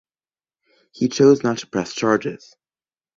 He chose not to press charges.